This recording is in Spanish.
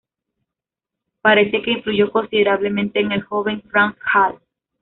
Parece que influyó considerablemente en el joven Frans Hals.